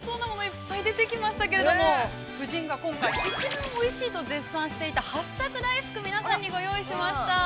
◆おいしそうなものいっぱい出てきましたけれども夫人が今回、一番おいしいと絶賛していた、はっさく大福皆さんにご用意しました。